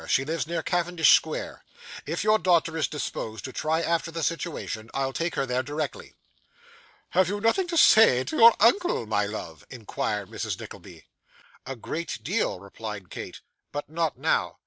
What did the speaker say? She lives near Cavendish Square. If your daughter is disposed to try after the situation, I'll take her there directly.' 'Have you nothing to say to your uncle, my love?' inquired Mrs. Nickleby. 'A great deal,' replied Kate; 'but not now.